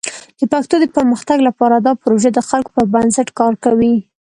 د پښتو د پرمختګ لپاره دا پروژه د خلکو پر بنسټ کار کوي.